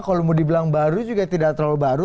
kalau mau dibilang baru juga tidak terlalu baru